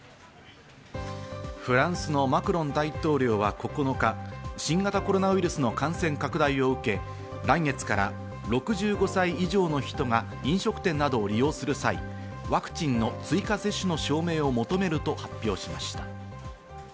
フランスのマクロン大統領は９日、新型コロナウイルスの感染拡大を向け、来月から６５歳以上の人が飲食店などを利用する際、ワクチンの追加接種の証明を求めると発表しました。